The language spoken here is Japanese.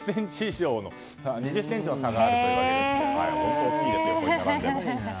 ２０ｃｍの差があるというわけで本当に大きいんです。